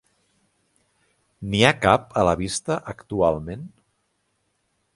N'hi ha cap a la vista actualment?